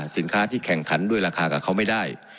สินค้าที่แข่งขันด้วยราคากับเขาไม่ได้